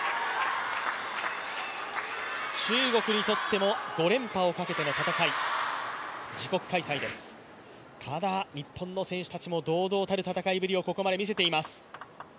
中国にとっても５連覇をかけての戦い、自国開催です、ただ日本の選手たちも堂々たる戦いぶりをここまで見せています。